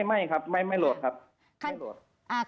ไม่ครับไม่โหลดครับ